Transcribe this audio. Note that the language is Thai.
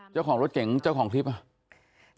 เจ้าของรถเก๋งเจ้าของคลิปอ่ะ